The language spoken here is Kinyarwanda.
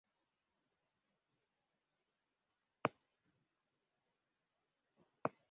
Umugabo uri kuri moped arimo kugenda mumuhanda